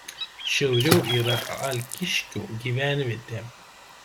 Šiauriau yra Alkiškių gyvenvietė.